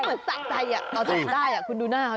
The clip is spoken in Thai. เค้าเหมือนใส่ใจน่ะออกใส่ได้อะคุณดูหน้าเค้าดิ